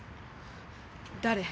誰？